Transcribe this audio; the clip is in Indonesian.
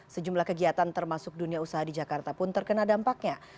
sejumlah kegiatan termasuk dunia usaha di jakarta pun terkena dampaknya